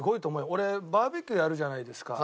俺バーベキューやるじゃないですか。